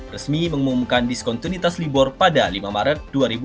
resmi mengumumkan diskontinitas libor pada lima maret dua ribu dua puluh satu